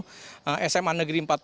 assalamualaikum warahmatullahi wabarakatuh